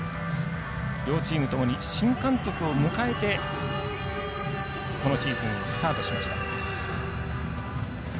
両チームともに新監督を迎えてこのシーズン、スタートしました。